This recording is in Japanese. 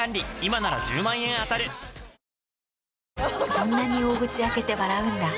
そんなに大口開けて笑うんだ。